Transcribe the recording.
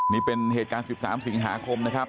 นี่เป็นเหตุการณ์๑๓สิงหาคมนะครับ